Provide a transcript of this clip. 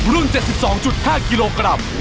รุ่น๗๒๕กิโลกรัม